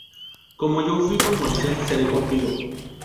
como yo fuí con Moisés, seré contigo.